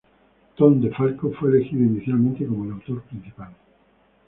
Tom DeFalco fue elegido inicialmente como el autor principal.